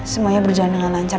semuanya berjalan dengan lancar